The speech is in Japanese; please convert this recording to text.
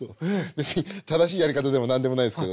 別に正しいやり方でも何でもないですけどね。